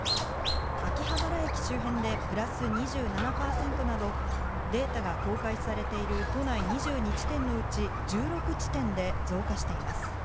秋葉原駅周辺でプラス２７％など、データが公開されている都内２２地点のうち１６地点で増加しています。